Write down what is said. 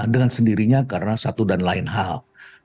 dengan sendirinya karena satu dan lain hal